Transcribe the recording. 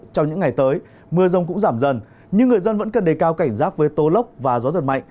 trong những ngày tới mưa rông cũng giảm dần nhưng người dân vẫn cần đề cao cảnh giác với tô lốc và gió giật mạnh